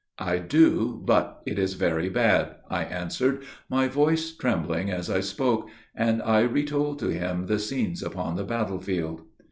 "I do, but it is very bad," I answered, my voice trembling as I spoke, and I retold to him the scenes upon the battle field.